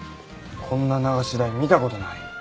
こんな流し台見た事ない。